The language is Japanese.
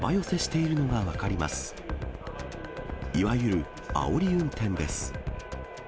いわゆるあおり運転です。